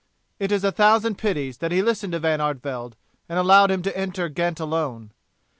It is a thousand pities that he listened to Van Artevelde and allowed him to enter Ghent alone.